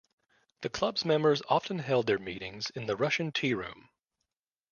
The club's members often held their meetings in the Russian Tea Room.